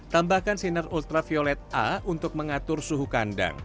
tambahkan sinar ultraviolet a untuk mengatur suhu kandang